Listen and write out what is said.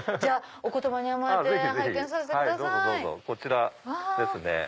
こちらですね。